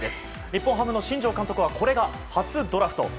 日本ハムの新庄監督はこれが初ドラフト。